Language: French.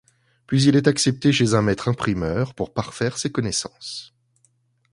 Puis, il est accepté chez un maître imprimeur pour parfaire ses connaissances.